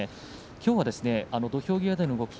きょうの土俵際での動き